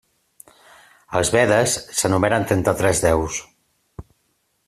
Als Vedes s'enumeren trenta-tres déus.